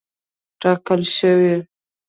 ټاکل شوې.